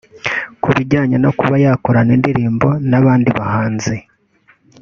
Ku bijyanye no kuba yakorana indirimbo n’abandi bahanzi